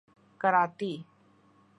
کراتی